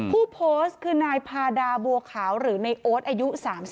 ผู้โพสต์คือนายพาดาบัวขาวหรือในโอ๊ตอายุ๓๒